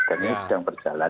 dan ini sedang berjalan